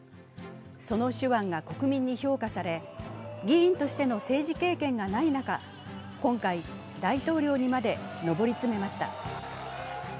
その手腕が国民に評価され、議員としての政治経験がない中、今回、大統領にまで上り詰めました